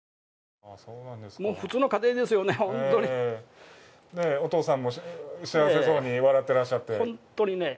もう普通の家庭ですよね、本当にお父さんも幸せそうに笑っていらっしゃって。